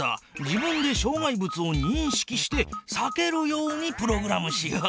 自分でしょう害物をにんしきしてさけるようにプログラムしよう。